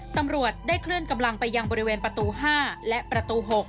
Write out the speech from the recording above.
ตำรวจได้เคลื่อนกำลังไปยังบริเวณประตู๕และประตู๖